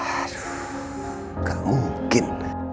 aduh gak mungkin